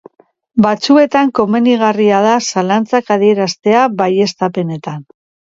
Batzuetan komenigarria da zalantzak adieraztea baieztapenetan.